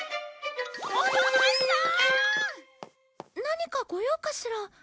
何かご用かしら？